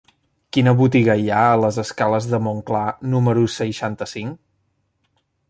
Quina botiga hi ha a les escales de Montclar número seixanta-cinc?